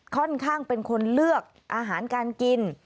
ค่อนข้างเป็นคนเลือกอาหารการกิน